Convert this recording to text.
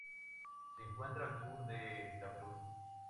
Se encuentra al sur del Camerún.